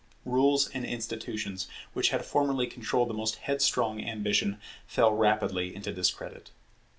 Rules and institutions, which had formerly controlled the most headstrong ambition, fell rapidly into discredit.